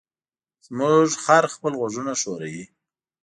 زموږ خر خپل غوږونه ښوروي.